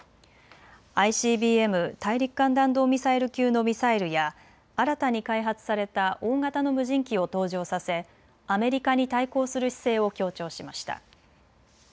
ＩＣＢＭ・大陸間弾道ミサイル級のミサイルや、新たに開発された大型の無人機を登場させアメリカに対抗する姿勢を強調しました。